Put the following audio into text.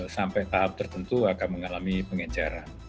sampai tahap tertentu akan mengalami pengenceran